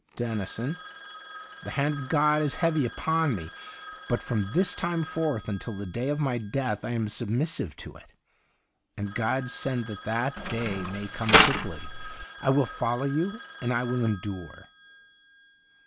' Dennison, the hand of God is heavy upon me ; but from this time forth until the day of my death I am submissive to it, and God send that that day may come quickly ! I will follow you and I will en dure.'